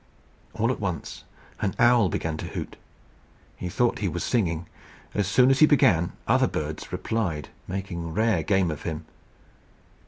All at once an owl began to hoot. He thought he was singing. As soon as he began, other birds replied, making rare game of him.